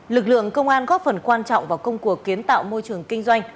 lực lượng công an góp phần quan trọng vào công cuộc kiến tạo môi trường kinh doanh